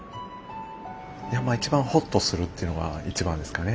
一番ほっとするっていうのが一番ですかね。